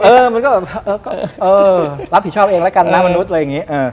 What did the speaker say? มันก็แบบเออรับผิดชอบเองแล้วกันนะมนุษย์อะไรอย่างนี้